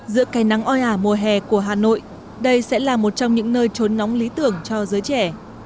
giữa cây nắng oi ả mùa hè của hà nội đây sẽ là một trong những nơi trốn nóng lý tưởng cho giới trẻ